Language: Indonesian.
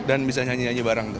dan bisa nyanyi nyanyi bareng